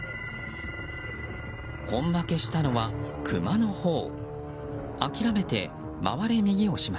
根負けしたのはクマのほう。